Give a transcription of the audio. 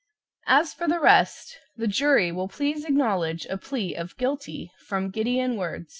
As for the rest, the jury will please acknowledge a plea of guilty from GIDEON WURDZ.